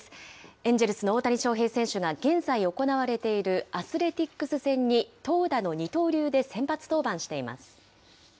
エンジェルスの大谷翔平選手が、現在行われているアスレティックス戦に、投打の二刀流で先発登板しています。